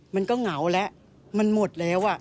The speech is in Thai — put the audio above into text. เหงาแล้วมันหมดแล้ว